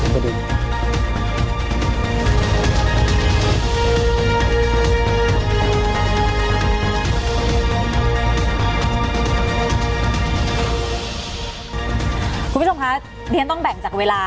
คุณผู้ชมคะเรียนต้องแบ่งจากเวลา